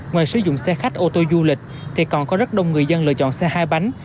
ngoài sử dụng xe khách ô tô du lịch thì còn có rất đông người dân lựa chọn xe hai bánh